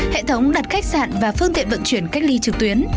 hệ thống đặt khách sạn và phương tiện vận chuyển cách ly trực tuyến